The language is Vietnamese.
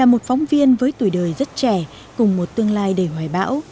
tôi là một phóng viên với tuổi đời rất trẻ cùng một tương lai đầy hoài bão